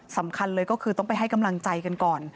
สำคัญเลยก็คือต้องไปให้กำลังใจกันก่อน